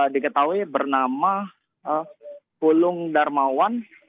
diketahui bernama bulung darmawan